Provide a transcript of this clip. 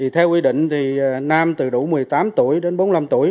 theo quy định thì nam từ đủ một mươi tám tuổi đến bốn mươi năm tuổi